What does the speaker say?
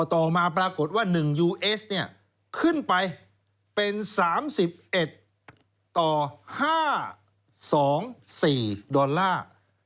ต่อมาปรากฏว่า๑ยูเอสเนี่ยขึ้นไปเป็น๓๑ต่อ๕๒๔ดอลลาร์